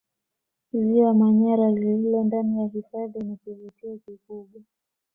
Ziwa Manyara lililo ndani ya hifadhi ni kivutio kikubwa